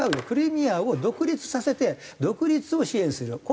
クリミアを独立させて独立を支援する。